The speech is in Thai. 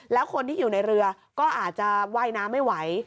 แล้วคนที่อยู่ในเรือก็อาจจะว่ายน้ำไม่ไหว